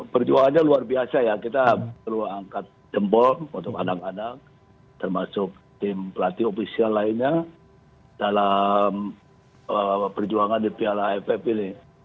perjuangannya luar biasa ya kita perlu angkat jempol untuk anak anak termasuk tim pelatih ofisial lainnya dalam perjuangan di piala aff ini